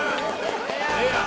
ええやん。